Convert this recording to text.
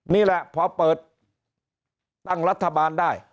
นี่แหละพอเปิดตั้งรัฐบาลได้